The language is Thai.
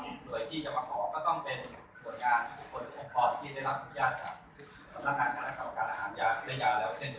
หน่วยที่จะมาขอก็ต้องเป็นบทงานของคนเก็บออดที่ได้รับพยนตร์จากสนั่งสนับข่าวการอาหารยาคณค์